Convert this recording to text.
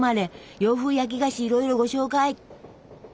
洋風焼き菓子いろいろご紹介。